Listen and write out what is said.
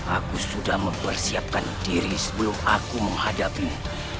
aku sudah mempersiapkan diri sebelum aku menghadapimu